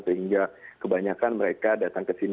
sehingga kebanyakan mereka datang ke sini